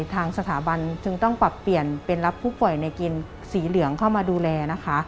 ทางสถาบันจึงต้องปรับเปลี่ยนเป็นรับผู้ป่วยในกินสีเหลืองเข้ามาดูแลนะคะ